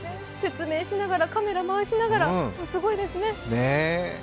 説明しながらカメラ回しながらすごいですね。